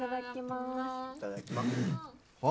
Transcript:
いただきまはあ？